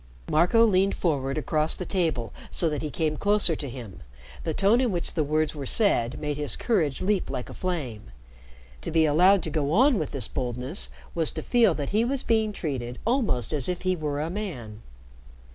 Marco leaned forward across the table so that he came closer to him. The tone in which the words were said made his courage leap like a flame. To be allowed to go on with this boldness was to feel that he was being treated almost as if he were a man.